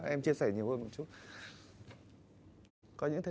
em chia sẻ nhiều hơn một chút